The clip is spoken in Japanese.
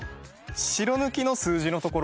白抜きの数字のところ